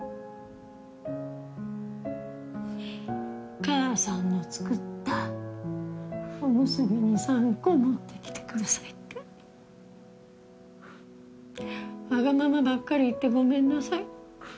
「お母さんの作ったおむすび２３個持ってきて下さい。」って「わがままばっかり言ってごめんなさい」